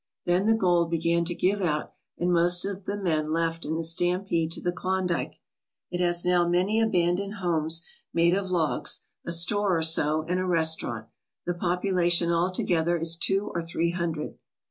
Then the gold began to give out and most of the men left in the stampede to the Klondike. It has now many abandoned homes made of logs, a store or so, and a restaurant. The population al together is two or three hundred.